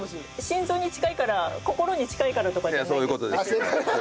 心臓に近いから心に近いからとかではない？